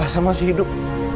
sama si hidup